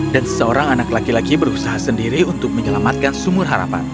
dan seorang anak laki laki berusaha sendiri untuk menyelamatkan sumur harapan